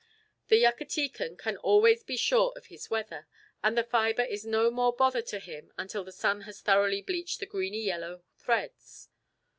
The Yucatecan can always be sure of his weather, and the fibre is no more bother to him until the sun has thoroughly bleached the greeny yellow threads.